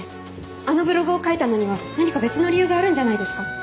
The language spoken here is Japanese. あのブログを書いたのには何か別の理由があるんじゃないですか？